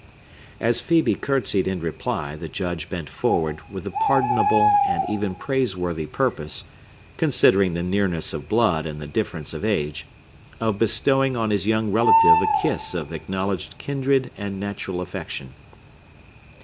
As Phœbe curtsied in reply, the Judge bent forward, with the pardonable and even praiseworthy purpose—considering the nearness of blood and the difference of age—of bestowing on his young relative a kiss of acknowledged kindred and natural affection.